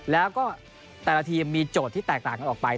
แล้วก็แต่ละทีมมีโจทย์ที่แตกต่างกันออกไป